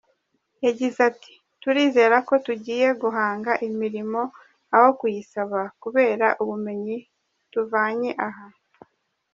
Yagize ati: “Turizera ko tugiye guhanga imirimo aho kuyisaba kubera ubumenyi tuvanye aha.